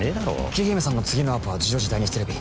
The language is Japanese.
桐姫さんの次のアポは１４時大日テレビ